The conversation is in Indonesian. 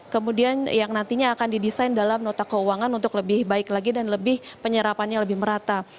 kemudian yang nantinya akan didesain dalam nota keuangan untuk lebih baik lagi dan lebih penyerapannya lebih merata